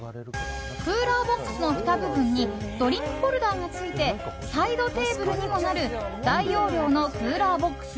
クーラーボックスのふた部分にドリンクホルダーがついてサイドテーブルにもなる大容量のクーラーボックス。